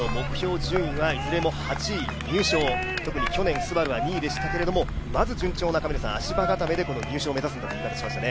順位はいずれも８位入賞特に去年、ＳＵＢＡＲＵは２位でしたけど、まず順調な足場固めで優勝を目指してきましたね。